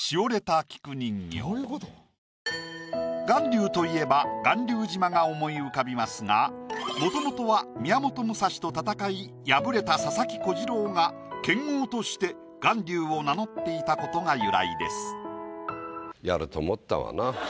「巌流」といえば巌流島が思い浮かびますがもともとは宮本武蔵と戦い敗れた佐々木小次郎が剣豪として巌流を名乗っていたことが由来です。